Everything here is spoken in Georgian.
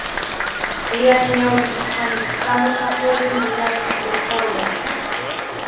გვიანი ნეოლითის ხანის სამოსახლოები მდინარე მტკვრის ხეობაში